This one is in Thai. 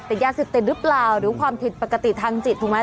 ติดยาเสพติดหรือเปล่าหรือความผิดปกติทางจิตถูกไหม